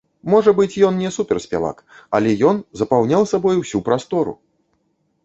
Можа быць, ён не суперспявак, але ён запаўняў сабой усю прастору!